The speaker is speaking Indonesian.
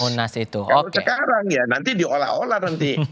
kalau sekarang ya nanti diolah olah nanti